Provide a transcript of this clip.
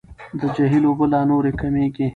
د جهیل اوبه لا نورې کمیږي.